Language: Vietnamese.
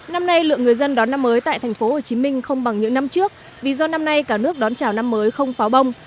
năm nay lượng người dân đón năm mới tại tp hcm không bằng những năm trước vì do năm nay cả nước đón chào năm mới không pháo bông